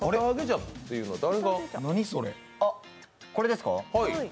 あ、これですか。